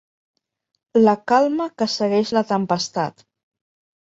La calma que segueix la tempestat.